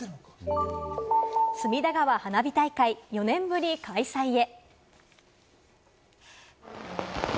隅田川花火大会、４年ぶり開催へ。